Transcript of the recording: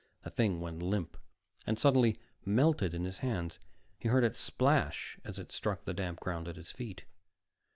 The thing went limp, and suddenly melted in his hands. He heard it splash as it struck the damp ground at his feet.